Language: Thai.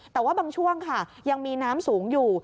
แต่ว่าบางช่วงค่ะยังมีน้ำสูงอยู่